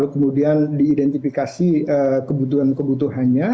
kemudian diidentifikasi kebutuhan kebutuhannya